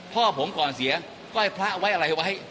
พ่อผมก่อนเสียไหว้พระไว้อะไรไว้